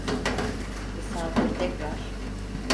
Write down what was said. Misafir tekrar: